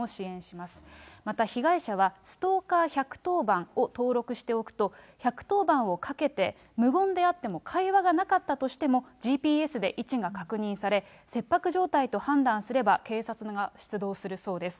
また被害者はストーカー１１０番を登録しておくと、１１０番をかけて、無言であっても、会話がなかったとしても、ＧＰＳで位置が確認され、切迫状態と判断すれば警察が出動するそうです。